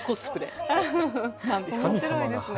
面白いですね。